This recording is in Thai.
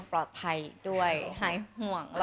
สวัสดีค่ะ